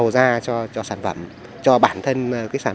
ra cho sản phẩm cho bản thân cái sản